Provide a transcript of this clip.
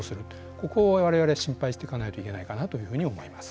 ここを我々は心配していかないといけないかなと思います。